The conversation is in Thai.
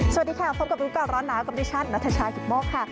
สวัสดีค่ะพบกับวิวกับร้อนหนากับดิฉันนัทชายธิบมกค่ะ